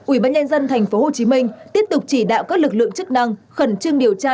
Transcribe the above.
ủy ban nhân dân thành phố hồ chí minh tiếp tục chỉ đạo các lực lượng chức năng khẩn trương điều tra